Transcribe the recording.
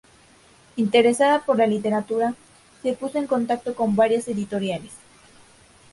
Interesada por la literatura, se puso en contacto con varias editoriales.